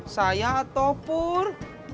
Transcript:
saya atau pur